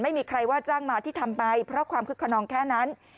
ไม่มีใครว่าจ้างมาที่ทำไปเพราะความคึกขนองแค่นั้น